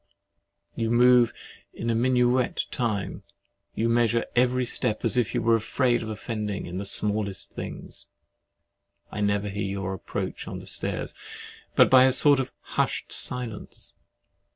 You move in minuet time: you measure every step, as if you were afraid of offending in the smallest things. I never hear your approach on the stairs, but by a sort of hushed silence.